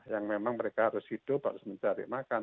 yang memang mereka harus hidup harus mencari makan